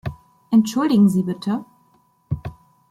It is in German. Entschuldigen Sie bitte!